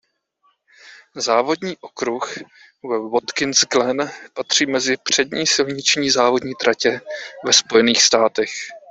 Závodní okruh ve Watkins Glen patří mezi přední silniční závodní tratě ve Spojených státech.